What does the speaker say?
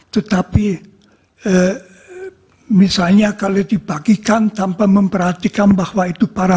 tetapi misalnya kalau dibagikan tanpa memperhatikan bahwa itu parah